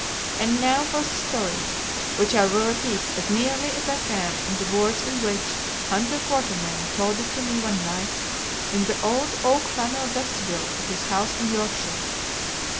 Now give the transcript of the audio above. And now for the story, which I will repeat, as nearly as I can, in the words in which Hunter Quatermain told it to me one night in the old oak panelled vestibule of his house in Yorkshire.